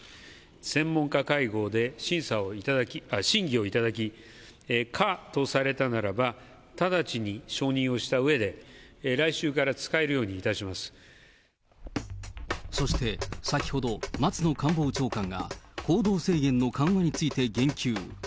専門家会合で審議を頂き、可とされたならば、直ちに承認をしたうえで、来週から使えるようそして先ほど、松野官房長官が行動制限の緩和について言及。